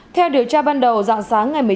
theo điều tra ban đầu dạng sáng ngày một mươi năm